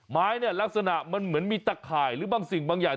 ไม้เนี่ยลักษณะมันเหมือนมีตะข่ายหรือบางสิ่งบางอย่าง